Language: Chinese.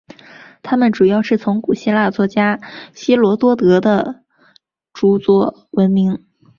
他们主要是从古希腊作家希罗多德的着作闻名。